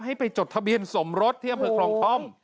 ให้ไปจดทะเบียนสมรสที่หมายความโท้ม